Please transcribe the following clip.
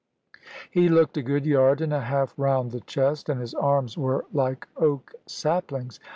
He looked a good yard and a half round the chest, and his arms were like oak saplings.